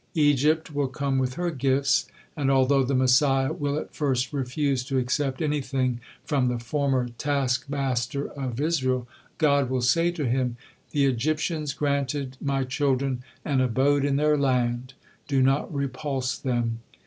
Egypt will come with her gifts, and although the Messiah will at first refuse to accept anything from the former taskmaster of Israel, God will say to him: "The Egyptians granted My children an abode in their land, do not repulse them."